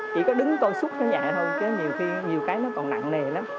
chỉ có đứng coi xúc nó nhẹ thôi chứ nhiều cái nó còn nặng nề lắm